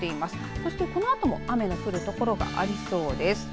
そして、このあとも雨の降るところがありそうです。